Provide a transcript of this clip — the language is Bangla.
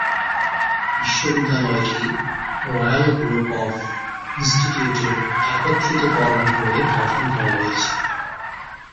বিশ্ববিদ্যালয়টি রয়্যাল গ্রুপ অফ ইনস্টিটিউটের একত্রিত করণ করে গঠন করা হয়েছে।